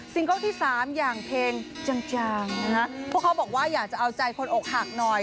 เกิลที่สามอย่างเพลงจางนะฮะพวกเขาบอกว่าอยากจะเอาใจคนอกหักหน่อย